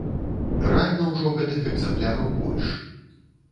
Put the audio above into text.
Рэальна ўжо гэтых экземпляраў больш.